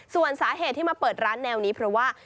ส่วนสาเหตุที่มาเปิดร้านแนวนี้เพราะว่า